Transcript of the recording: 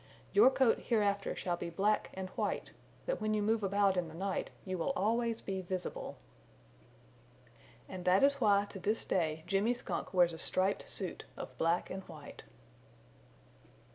Your coat hereafter shall be black and white, that when you move about in the night you will always be visible." And this is why that to this day Jimmy Skunk wears a striped suit of black and white.